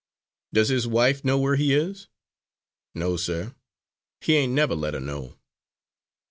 "Does his wife know where he is?" "No, sir; he ain't never let her know."